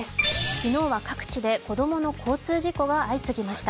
昨日は各地で子供の交通事故が相次ぎました。